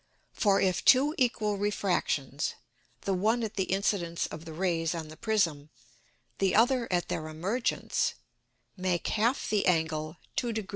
For, if two equal Refractions, the one at the Incidence of the Rays on the Prism, the other at their Emergence, make half the Angle 2 deg.